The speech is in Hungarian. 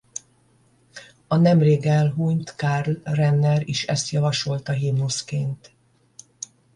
A nemrég elhunyt Karl Renner is ezt javasolta himnuszként.